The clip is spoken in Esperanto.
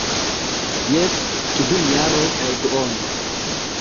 Jes, kvin jaroj kaj duono.